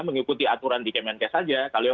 mengikuti aturan di kemenkes saja kalau